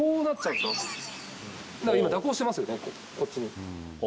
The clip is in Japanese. だから今、蛇行してますよね、こっちに。